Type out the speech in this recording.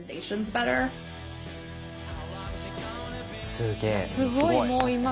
すげえ。